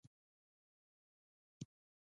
• د ورځې اوږده مزلونه د زغم اندازه کوي.